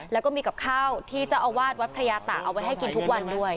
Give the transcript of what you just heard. แล้วก็มีกับข้าวที่เจ้าอาวาสวัดพระยาตะเอาไว้ให้กินทุกวันด้วย